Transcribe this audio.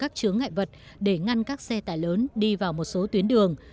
các chứa ngại vật để ngăn các xe tải lớn đi vào một số tuyến đường